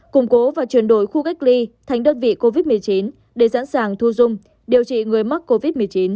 củng cố và chuyển đổi khu cách ly thành đơn vị covid một mươi chín để sẵn sàng thu dung điều trị người mắc covid một mươi chín